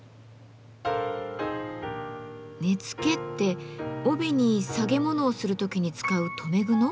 根付って帯に提げ物をする時に使う留め具の？